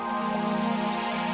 saya gak mau masuk